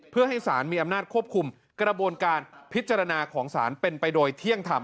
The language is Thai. เพื่อให้สารมีอำนาจควบคุมกระบวนการพิจารณาของศาลเป็นไปโดยเที่ยงธรรม